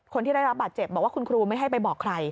คนที่ได้รับบาดเจ็บบอกว่าคุณครูไม่ให้ไปบอกใคร